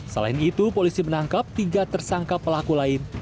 selain itu polisi menangkap tiga tersangka pelaku lain